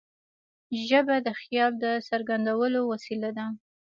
ژبه د خیال د څرګندولو وسیله ده.